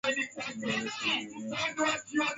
Unaweza kunionyesha?